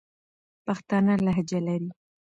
پښتانه لهجه لري.